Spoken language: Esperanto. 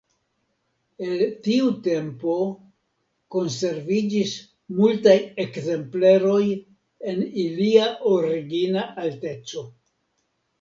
El tiu tempo konserviĝis multaj ekzempleroj en ilia origina alteco.